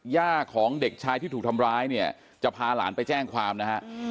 ย่าของเด็กชายที่ถูกทำร้ายเนี่ยจะพาหลานไปแจ้งความนะฮะ